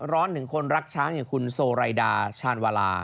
ร้อนถึงคนรักช้างอย่างคุณโซไรดาชาญวาลา